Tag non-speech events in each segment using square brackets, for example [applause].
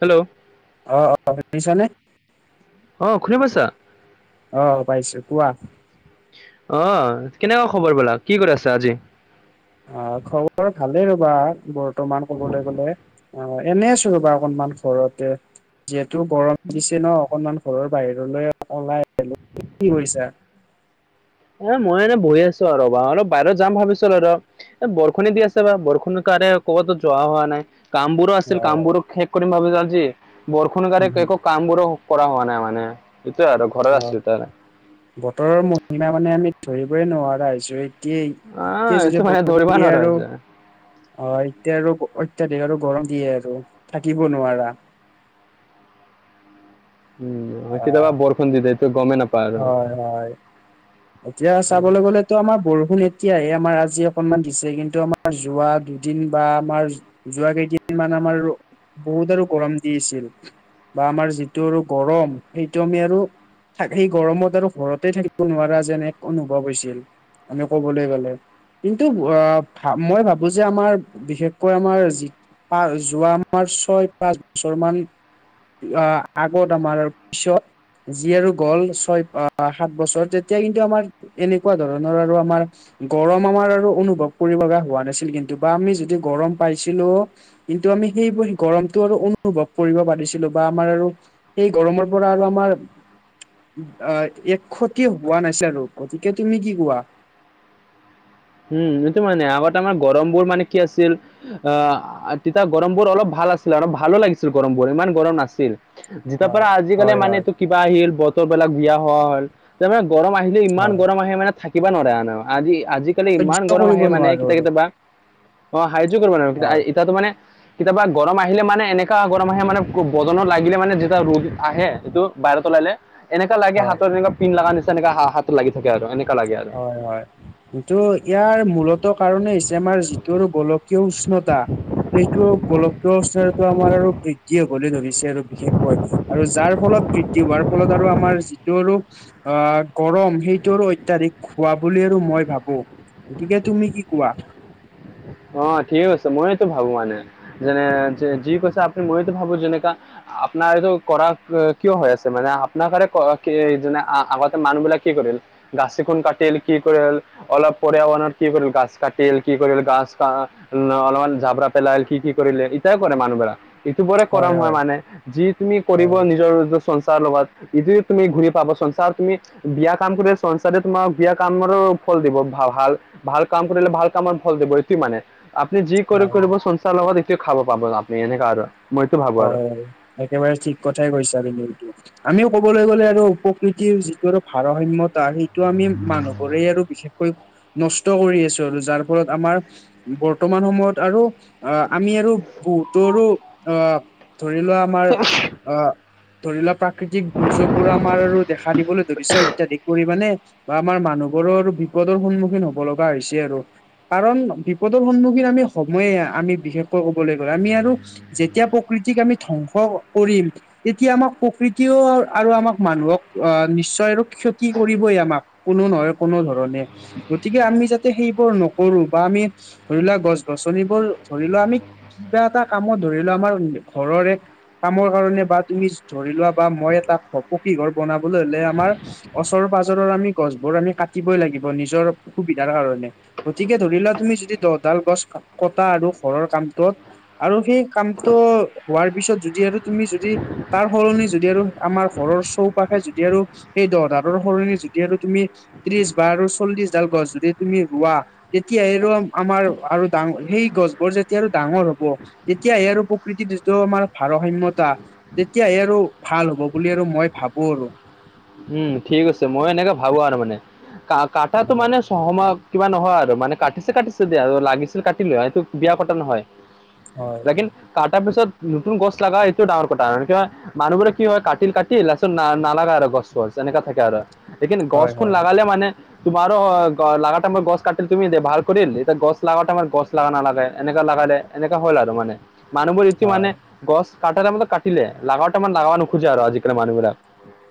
Hello অ-অ শুনিছানে? অ, শুনা পাইছা? অ পাইছো, কোৱা। অ, কেনেকুৱা খবৰ বিলাক? কি কৰি আছা আজি? অ, খবৰ ভালেই ৰ'বা বৰ্তমান কবলৈ গলে। অ, এনে আছো ৰ'বা অকণমান ঘৰতে। যিহেতু গৰম দিছে ন অকণমান ঘৰৰ বাহিৰলৈ ওলাই [unintelligible] কি কৰিছা? অ, মই এনে বহি আছো আৰু ৰ'বা। অলপ বাহিৰত যাম ভাবিছো আৰু। এ বৰষুণে দি আছে বা বৰষুণৰ কাৰণে কবাতো যোৱা হোৱা নাই। কামবোৰ আছিল অ', কামবোৰ শেষ কৰিম ভাবিছিলো আজি। বৰষুণৰ কাৰণে উম একো কামবোৰ কৰা হোৱা নাই মানে। এইটোৱে আৰু ঘৰত অ', আছিল তাৰ। বতৰৰ মহিমা মানে আমি ধৰিবই নোৱাৰা হৈছো এ। কি আহ এতিয়াই এইটো যদি মানে বৰষষুণ ধৰিব দিয়ে নোৱাৰা আৰু হৈছে অ এতিয়া আৰু অত্যাধিক আৰু গৰম দিয়ে আৰু থাকিব নোৱাৰা। উম কেতিয়াবা অ', বৰষুণ দিয়েতো গমে নাপ হয় হয়। এতিয়া চাবলৈ গ'লে তো আমাৰ বৰষুণ এতিয়াহে আমাৰ আজি অকনমান দিছে। কিন্তু আমাৰ যোৱা দুদিন বা আমাৰ যোৱা কেইদিনমান আমাৰো বহুত আৰু গৰম দি আছিল। বা আমাৰ যিটো আৰু গৰম সেইটো আমি আৰু থাক এই গৰমত আৰু ঘৰতে থাকিব নোৱাৰা যেন এক অনুভৱ হৈছিল। আমি কবলৈ গলে কিন্তু ভ-অ মই ভাবো যে আমাৰ বিশেষকৈ আমাৰ যি আ যোৱা আমাৰ ছয় পাঁচ বছৰ মান অহ আগত আমাৰ পিছত যি আৰু গ'ল ছয় বা সাত বছৰ তেতিয়া কিন্তু আমাৰ এনেকুৱা ধৰণৰ আৰু আমাৰ গৰম আমাৰ আৰু অনুভৱ কৰিব লগা হোৱা নাছিল কিন্তু, বা আমি যদি গৰম পাইছিলোও কিন্তু আমি সেইবোৰ গৰমটো আৰু অনুভৱ কৰিব পাৰিছিলো বা আমাৰ আৰু সেই গৰমৰ পৰা আৰু আমাৰ অহ এক ক্ষতিও পোৱা নাছিলো। আৰু গতিকে তুমি কি কোৱা? উম এইটো মানে, আগত আমাৰ গৰমবোৰ মানে কি আছিল? অহ তেতিয়া গৰমবোৰ অলপ ভাল আছিল, অলপ ভালো লাগিছিল গৰমবোৰ। ইমান গৰম নাছিল। যেতিয়াৰ পৰা হয় আজিকালি হয় মানে হয় তো কিবা আহিল, বতৰবিলাক বিয়া হোৱা হল। তাৰমানে গৰম আহিলে ইমান হয় গৰম আহে মানে থাকি থাকিবা নোৱাৰা এনো। আজি আজিকালি ইমান সহ্য গৰম কৰিব আহে মানে নোৱাৰো কেতিয়া আৰু কেতিয়াবা। অ হাইয্য কৰিব নোৱাৰা কিতা হয় এতিয়াতো মানে কেতিয়াবা গৰম আহিলে মানে এনেকা গৰম আহে, মানে বদনৰ লাগিলে মানে যেতিয়া ৰ'দ আহে, সেটো বাহিৰত ওলালে এনেকা লাগে হয় হাতত যেনিবা পিন লাগা নিচিনা এনেকা হা হাতত লাগি থাকে আৰু এনেকা লাগে আৰু। হয় হয়। কিন্তু ইয়াৰ মূলত কাৰণেই হৈছে আমাৰ যিটো গোলকীয় উষ্ণতা। সেইটো গোলকীয় উষ্ণতাতো আমাৰ আৰু বৃদ্ধি হবলৈ ধৰিছে আৰু বিশেষকৈ। আৰু যাৰ ফলত বৃদ্ধি হোৱাৰ ফলত আৰু আমাৰ যিটো আৰু অ গৰম সেইটো আৰু অত্যাধিক হোৱা বুলি আৰু মই ভাবো। গতিকে তুমি কি কোৱা? অ ঠিকেই কৈছে। মইতো ভাবো মানে যেনে যি কৈছে আপুনি মইতো ভাবো যেনেকা আপোনাৰ এইটো কৰা কি-কিয় হৈ আছে মানে। আপোনাৰ কাৰে কৰা কি যোনে আ-আগতে মানুহ বিলাক কি কৰিল? গাছ এখন কাটিল, কি কৰিল, অলপ পৰ্য়াবৰণ কি কৰিল, গাছ কাটিল কি কৰিল গাছ তা অলপমান ঝাবৰা পেলাই, কি কি কৰিলে ইতাও কৰে মানুহবিলাক সিটো পৰা কৰাম হয় হোৱা হয় মানে, যি তুমি কৰিব হয় নিজৰ চঞ্চাৰৰ লগত ইতো তুমি ঘূৰি পাব চনচাৰ তুমি বিয়া কাম কৰিলে চনচাৰে তোমাক বিয়া কামৰে ফল দিব ভা-ভাল ভাল কাম কৰিলে ভাল কামৰ ফল দিব। কি মানে আপুনি যি কৰে হয় হয়। কৰিব চনচাৰ লগত এতোয়ে খাব পাব আপুনি এনেকা আৰু। মইতো ভাবো আৰু হয় হয়। একেবাৰে ঠিক কথাই কৈছা তুমি এইটো। আমিও ক'বলৈ গ'লে আৰু প্ৰকৃতিৰ যিটো আৰু ভাৰসাম্যত তা সেইটো আমি মানুহবোৰেই আৰু বিশেষকৈ নষ্ট কৰি আছো আৰু যাৰ ফলত আমাৰ বৰ্তমান সময়ত আৰু আ আমি আৰু বহুতৰো অ ধৰি লোৱা আমাৰ অ ধৰি লোৱা প্ৰাকৃতিক দুৰ্যোগবোৰ আমাৰ আৰু দেখা দিবলৈ ধৰিছে অত্যধিক পৰিমাণে। বা আমাৰ মানুহবোৰো বিপদৰ সন্মুখীন হব লগা হৈছে আৰু। কাৰণ বিপদৰ সন্মুখীন আমি হ'ম এই। আমি বিশেষকৈ কবলৈ গ'লে আমি আৰু যেতিয়া প্ৰকৃতিক আমি ধ্বংস কৰিম তেতিয়া আমাক প্ৰকৃতিও আৰু আমাক মানুহক অহ নিশ্চয় আৰু ক্ষতি কৰিবই আমাক। কোনো নহয় কোনো ধৰণে গতিকে আমি যাতে সেইবোৰ নকৰো বা আমি ধৰি লোৱা গছ গছনিবোৰ ধৰি লোৱা আমি কিবা এটা কামত ধৰি লোৱা আমাৰ ঘৰৰে কামৰ কাৰণে বা তুমি ধৰি লোৱা বা মই এটা পকী ঘৰ বনাবলৈ হলে আমাৰ ওচৰ পাজৰৰ আমি গছবোৰ আমি কাটিবই লাগিব নিজৰ সুবিধাৰ কাৰণে। গতিকে ধৰি লোৱা তুমি যদি দহডাল গছ কটা আৰু ঘৰৰ কামটোত আৰু সেই কামটো হোৱাৰ পিছত যদি আৰু তুমি যদি তাৰ সলনি যদি আৰু আমাৰ ঘৰৰ চৌপাশে যদি আৰু সেই দহদালৰ সলনি যদি আৰু তুমি ত্ৰিশ বা আৰু চল্লিছ ডাল গছ যদি তুমি ৰোৱা তেতিয়াহে ৰুৱা‌ আমাৰ আৰু ডাঙৰ সেই গছবোৰ যেতিয়া আৰু ডাঙৰ হ'ব তেতিয়াহে আৰু প্ৰকৃতি টো আমাৰ ভাৰসাম্যতা তেতিয়াহে আৰু ভাল হ'ব বুলি আৰু মই ভাবো আৰু উম ঠিক আছে মই এনেকে ভাবো আৰু মানে কা কটাটো হয় মানে চ সময়ক কিবা নহয় আৰু মানে কাটিছে কাটিছে দিয়া আৰু লাগিছিল কাটিলো এইটো বিয়া কটা নহয় হয় লেকিন কটাৰ পিছত নতুন গছ লগা এইটো ডাঙৰ কথা। মানুহবোৰে কি হয় কাটি কাটি লাষ্টত না নালাগা আৰু গছ। এনেকা থাকে আৰু লেখিন হয় গছখন হয় লাগালে মানে- তোমাৰো অ লগা টাইমত গছ কাটিল তুমি দে ভাল কৰিল। এতিয়া গছ লগাতে আমাৰ গছ লাগা নালাগে এনেকা লাগালে। এনেকা হ'ল আৰু মানে। মানুহবোৰ ইতি হয় মানে গছ কাটা টাইমত মানে কাটিলে। লাগাৱতে মানে লাগাবা নোখোজে আৰু আজিকালি মানুহবিলাক।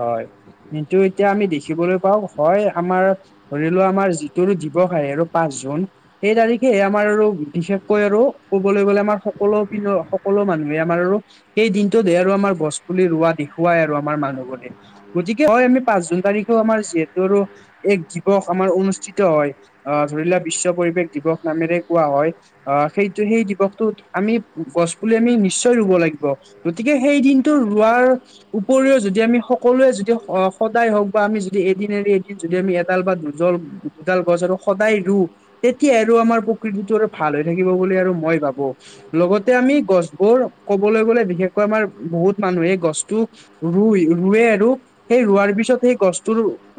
হয়। কিন্তু এতিয়া আমি দেখিবলৈ পাওঁ হয় আমাৰ- ধৰি লোৱা আমাৰ যিটো দিৱস আহে আৰু পাঁচ জুন। সেই তাৰিখে আমাৰ আৰু বিশেষকৈ আৰু কবলৈ গলে আমাৰ সকলো পিনৰ সকলো মানুহে আমাৰ আৰু সেই দিনটোতে আৰু আমাৰ গছ পুলি ৰোৱা দেখুৱাই আৰু আমাৰ মানুহবোৰ। গতিকে হয় আমি পাঁচ জুন তাৰিখেও আমাৰ যিহেতুৰো এক দিৱস আমাৰ অনুষ্ঠিত হয়। আহ ধৰি লোৱা বিশ্ব পৰিৱেশ দিৱস নামেৰে কোৱা হয়। আহ সেইটো সেই দিৱসটোত আমি গছ পুলি আমি নিশ্চয় ৰুব লাগিব। গতিকে সেই দিনটো ৰোৱাৰ উপৰিও যদি আমি সকলোৱে যদি সদায় হওঁক বা আমি যদি এদিন এৰি এদিন যদি আমি এডাল বা দুজল দুডাল গছ আৰু সদায় ৰু। তেতিয়া আৰু আমাৰ প্ৰকৃতিটো আৰু ভাল হৈ থাকিব বুলি আৰু মই ভাবো। লগতে আমি গছবোৰ ক'বলৈ গ'লে বিশেষকৈ আমাৰ বহুত মানুহে গছটো ৰুই, ৰুৱে আৰু সেই ৰোৱাৰ পিছত সেই গছটো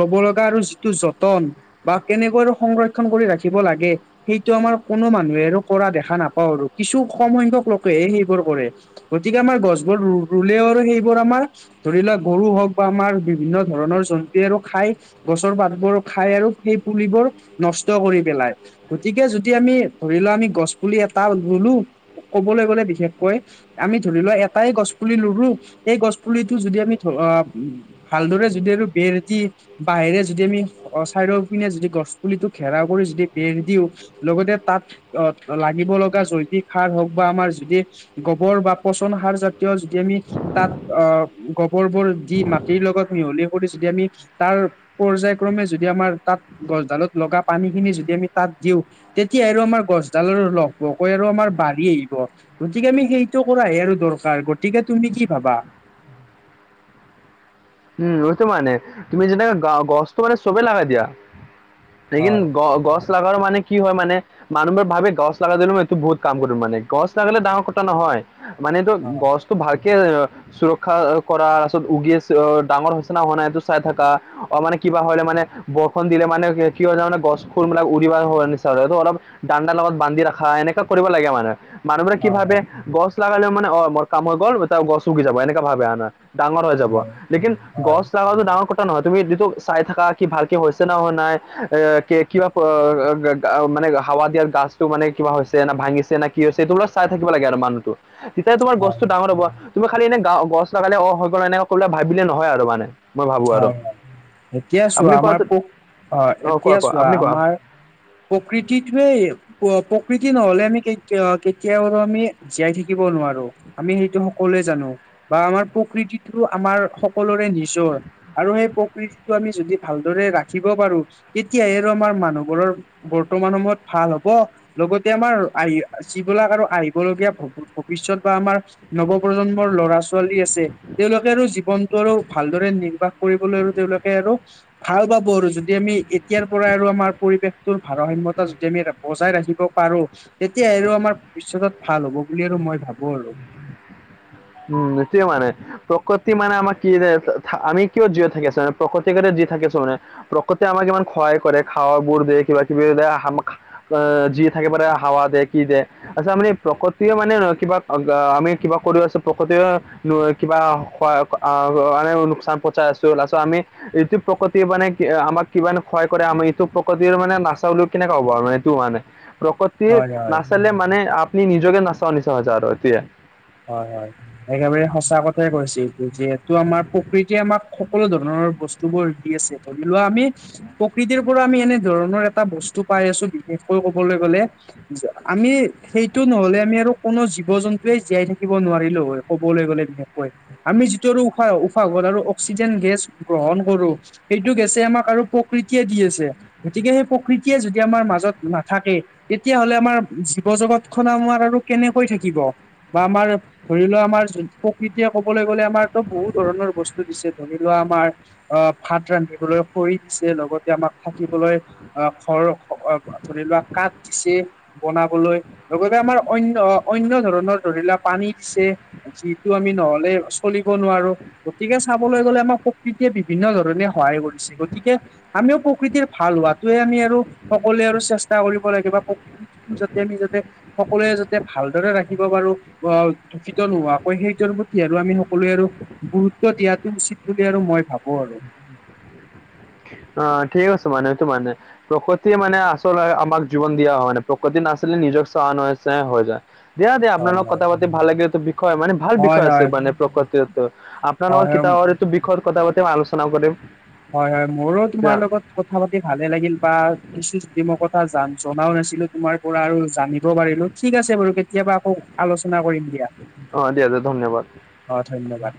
ল'ব লগা আৰু যিটো যতন বা কেনেকৈ সংৰক্ষণ কৰি ৰাখিব লাগে সেইটো আমাৰ কোনো মানুহে আৰু কৰা দেখা নাপাওঁ আৰু কিছু কম সংখ্যক লোকেহে সেইবোৰ কৰে। গতিকে আমাৰ গছ বোৰ ৰুলেওঁ আৰু সেইবোৰ আমাৰ ধৰি লোৱা গৰু হওঁক বা আমাৰ বিভিন্ন ধৰণৰ জন্তুৱে আৰু খায় গছৰ পাতবোৰ খায় আৰু সেই পুলিবোৰ নষ্ট কৰি পেলায়। গতিকে যদি আমি ধৰি লোৱা আমি গছ পুলি এটা ৰুলো কবলৈ গ'লে বিশেষকৈ আমি ধৰি লোৱা এটাই গছ পুলি ৰুলো। সেই গছ পুলিটো যদি আমি ধ আব উম ভালদৰে যদি আৰু বেৰদি বাহিৰে যদি আমি চাৰিও পিনে যদি গছ পুলিটো ঘেৰাওঁ কৰি যদি বেৰ দিওঁ। লগতে তাত আহ লাগিব লগা জৈৱিক সাৰ হওঁক বা আমাৰ যদি- গৱৰ বা পচন সাৰ জাতীয় যদি আমি তাত অ গৱৰবোৰ দি মাটিৰ লগত মিহলি কৰি যদি আমি তাৰ পৰ্যায়ক্ৰমে যদি আমাৰ তাত গছডালত লগা পানীখিনি যদি আমি তাত দিওঁ তেতিয়া আৰু আমাৰ গছডাল আৰু লহ পহকৈ আৰু আমাৰ বাঢ়ি আহিব। গতিকে আমি সেইটো কৰাহে আৰু দৰকাৰ গতিকে তুমি কি ভাবা? উম সেইটো মানে তুমি যেনেকা গ গছটো মানে চবেই লাগাই দিয়া। লেকিন হয় গ গছ লাগাৰো মানে কি হয় মানে মানুহবোৰে ভাবে গছ লগাই দিলো মই এইটো বহুত কাম কৰিম মানে। গছ লাগালে ডাঙৰ কথা নহয়। মানেতো হয় গছটো ভালকে সুৰক্ষা কৰাৰ পাছত উগিয় আ অ ডাঙৰ হৈছে না হোৱা নাই, এইটো চাই থাকা, অ মানে কিবা হলে মানে বৰষুণ দিলে মানে কি হয় জানা নাই, গছবোৰ উৰিব হয় নিছিনা অলপ দানডাৰ লগত বান্ধি ৰাখা এনেকা কৰিব লাগে মানে মানুহবোৰে কি হয় হয় ভাবে গছ লগালেও মানে অঁ মোৰ কাম হৈ গল অটা গছ উগি যাব এনেকুৱা ভাবে আনা। ডাঙৰ হৈ যাব। হয় লেকিন হয় গছ কটাটো ডাঙৰ কথা নহয় তুমি যিটো চাই থাকা কি ভালকে হৈছে নে নাই আ কি- কিবা মানে হাৱা দিয়াৰ গছটো মানে কিবা হৈছে না ভাঙিছে না- কি হৈছে, এইটো বোলে চাই থাকিব লাগে আৰু মানুহটো। তেতিয়াই তোমাৰ হয় গছটো ডাঙৰ হব। তুমি খালি এনে গা গছ লগালে অহ হৈ গল এনেকে কলে ভাবিলে নহয় আৰু মানে। মই ভাবো আৰু হয় হয়। এতিয়া চোৱা আপুনি আমাৰ কোৱাটো পোক হয়, অ কোৱা এতিয়া কোৱা চোৱা আপুনি কোৱা আমাৰ প্ৰকৃতিটোৱেই প্ৰকৃতি নহলে আমি কে কেতিয়াও আৰু আমি জীয়াই থাকিব নোৱাৰোঁ। আমি সেইটো সকলোৱে জানো বা আমাৰ প্ৰকৃতিটো আমাৰ সকলোৰে নিজৰ। আৰু সেই প্ৰকৃতিটো আমি যদি ভালদৰে ৰাখিব পাৰোঁ, তেতিয়াহে আৰু আমাৰ মানুহবোৰৰ বৰ্তমান সময়ত ভাল হব। লগতে আমাৰ আহি যিবিলাক আৰু আহিবলগীয়া ভৱিষ্যত বা আমাৰ নৱ প্ৰজন্মৰ লৰা ছোৱালী আছে। তেওঁলোকে আৰু জীৱনটো আৰু ভালদৰে বাস কৰিবলৈ আৰু তেওঁলোকে আৰু ভাল পাব আৰু যদি আমি এতিয়াৰ পৰা আৰু আমাৰ পৰিৱেশটোৰ ভাৰসাম্যতা যদি আমি বজাই ৰাখিব পাৰোঁ। তেতিয়া আৰু আমাৰ ভৱিষ্যত ভাল হব বুলি আৰু মই ভাবোঁ আৰু উম, সেইটোৱেই মানে প্ৰকৃতি মানে আমৰ কি ৰে আমি কিয় জীয় থাকিছো আমি প্ৰকৃতি কাৰণে জীয়াই থাকিছো মানে প্ৰকতি আমাক ইমান সহায় কৰে। খাৱাবোৰ দিয়ে। কিবা কিবি অহ, যি থাকে মানে হাৱা দিয়ে কি দিয়ে আচ্ছা মানে প্ৰকতিয়ে মানে কিবা আমি কিবা কৰি প্ৰকতি কিবা লোকচান পচাই আছোঁ। লাষ্টত আমি এইটো প্ৰকতিৰ মানে কি আমাক কিমান সহায় কৰে, আমি এইটো প্ৰকতিৰ মানে নাচাও বুলিও কেনেকে হব আৰু মানে এইটো মানে প্ৰকতি হয় হয় নাচালে মানে আপুনি নিজকে নাচা নিচিনা হয় যাব আৰু এতিয়া হয় হয়। একেবাৰে সচা কথাই কৈছে। যিহেতু আমাৰ প্ৰকৃতিয়ে আমাক সকলো ধৰণৰ বস্তুবোৰ দি আছে। ধৰি লোৱা আমি প্ৰকৃতিৰ পৰা আমি এনেধৰণৰ এটা বস্তু পাই আছো, বিশেষকৈ কবলে গলে আমি সেইটো নহলে আমি আৰু কোনো জীৱ জন্তুৱে জীয়াই থাকি থাকিব নোৱাৰিলো হয়। কবলৈ গলে তেনেকুৱাই আমি যিটো আৰু উশাহ উশাহ আৰু অক্সিজেন গেছ গ্ৰহণ কৰোঁ। সেইটো গেছে আমাক আৰু প্ৰকৃতিয়ে দি আছে। গতিকে সেই প্ৰকৃতিয়ে যদি আমাৰ মাজত নাথাকে তেতিয়াহলে আমাৰ জীৱ জগত খনক আৰু কেনেকৈ থাকিব। বা আমাৰ ধৰি লোৱা আমাৰ যোন প্ৰকৃতিয়ে কবলৈ গলে আমাৰতো বহুত ধৰণৰ বস্তু দিছে। ধৰি লোৱা আমাৰ আহ ভাত ৰান্ধিবলৈ খৰি দিছে, লগতে আমাক থাকিবলৈ আহ ঘৰ ধৰি লোৱা কাঠ দিছে। বনাবলৈ লগতে আমাৰ অন্য অন্য ধৰণৰ ধৰিলোৱা পানী দিছে। যিটো আমি নহলে চলিব নোৱাৰোঁ। গতিকে চাবলৈ গলে আমাৰ প্ৰকৃতিয়ে বিভিন্ন ধৰণে সহায় কৰিছে। গতিকে আমিও প্ৰকৃতিৰ ভাল হোৱাতোৱে আমি আৰু সকলোৱে আৰু চেষ্টা কৰিব লাগিব। প্ৰকৃতি যাতে আমি যাতে সকলোৱে যাতে ভালদৰে ৰাখিব পাৰোঁ। অ দূষিত নোহোৱাকৈ সেইটোৰ প্ৰতি আৰু আমি সকলোৱে আৰু গুৰুত্ব দিয়াটো উচিত বুলি আৰু মই ভাবো আৰু অ, ঠিক আছে মানে টো মানে। প্ৰকৃতিয়ে মানে আচলতে আমাক জীৱন দিয়া হয় মানে প্ৰকৃতি নাছিলে নিজক চাহ নছে হৈ যায়। দিয়া-দিয়া হয় আপোনালোকৰ হয়। কথা পাতি ভাল লাগিলটো বিষয় মানে ভাল হয় বিষয় আছে হয় মানে প্ৰকতি আপোনাৰ লগত হয় হয় কেতিয়াবা এইটো বিষয়ত কথা পাতি আলোচনা কৰিম। হয় হয়। মোৰো তোমাৰ লগত কথা পাতি ভালে লাগিল বা কিছু যদি মই কথা জনাও নাছিলো তোমাৰ পৰা আৰু জানিব পাৰিলোঁ। ঠিক আছে বাৰু কেতিয়াবা আকৌ আলোচনা কৰিম। দিয়া। অ দিয়া দিয়া ধন্যবাদ। অ, ধন্যবাদ।